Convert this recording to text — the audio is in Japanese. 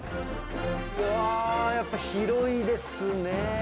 うわー、やっぱ広いですね。